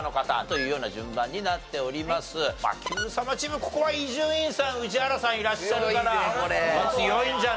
チームここは伊集院さん宇治原さんいらっしゃるから強いんじゃないかと。